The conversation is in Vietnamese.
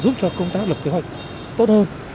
giúp cho công tác lập kế hoạch tốt hơn